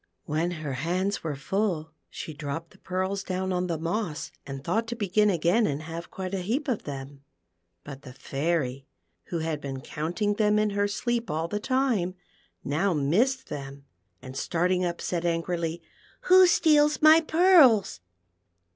When her hands were full, she dropped the THE PEARL FOCNTAIN. 17 pearls down on the moss, and thought to begin again and have quite a heap of tliem. But the Fairy, wlio had been counting them in her sleep all the time, now missed them, and starting up, said angrily, " Who steals my pearls